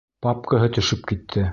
Папкаһы төшөп китте.